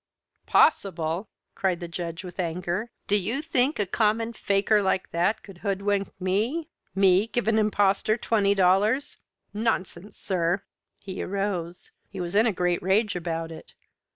"Possible?" cried the Judge with anger. "Do you think a common faker like that could hoodwink me? Me give an impostor twenty dollars! Nonsense, sir!" He arose. He was in a great rage about it.